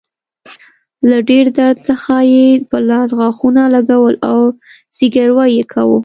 له ډیر درد څخه يې په لاس غاښونه لګول او زګیروی يې کاوه.